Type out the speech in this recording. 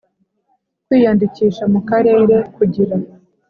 Kwiyandikisha mu karere kugira